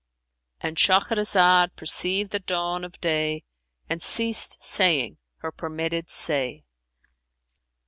"—And Shahrazad perceived the dawn of day and ceased saying her permitted say.